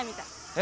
え？